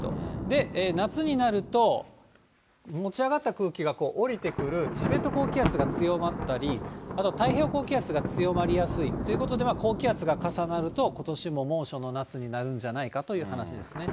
で、夏になると、持ち上がった空気が下りてくる、チベット高気圧が強まったり、あと太平洋高気圧が強まりやすいということで、高気圧が重なるとことしも猛暑の夏になるんじゃないかという話ですね。